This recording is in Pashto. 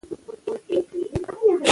د خلکو پاڅون په زور وځپل شو.